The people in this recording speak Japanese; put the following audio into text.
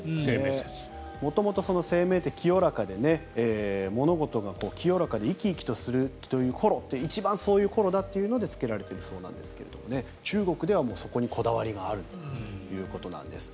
元々清明って物事が清らかで生き生きとする頃という一番そういう頃だというのでつけられているそうなんですが中国ではそこにこだわりがあるんだということなんです。